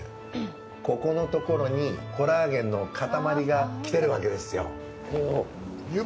ここのところにコラーゲンの塊が来てるわけですよ。